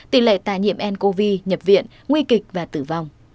tỷ lệ tài nhiễm ncov nhập viện nguy kịch và tử vong